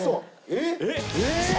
えっ？